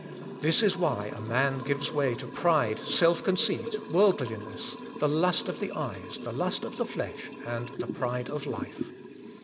This is why a man g ives way to pride, self conceit, worldliness, the lust of the eyes, the lust of the flesh, and the pride of life.